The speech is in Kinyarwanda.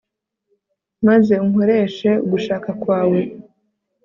maze unkoreshe ugushaka kwawe